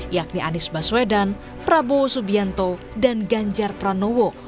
yakni anies baswedan prabowo subianto dan ganjar pranowo